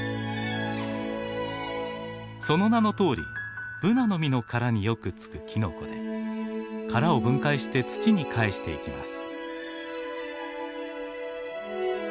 その名のとおりブナの実の殻によく付くキノコで殻を分解して土に返していきます。